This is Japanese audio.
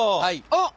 あっ。